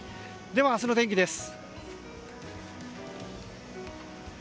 では、明日の天気です。